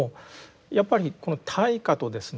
やっぱりこの対価とですね